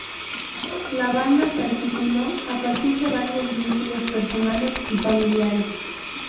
La banda se articuló a partir de varios vínculos personales y familiares.